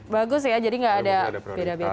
bagus ya jadi tidak ada perbedaan